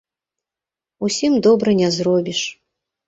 Усім добра не зробіш.